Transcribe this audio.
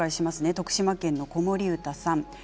徳島県の方です。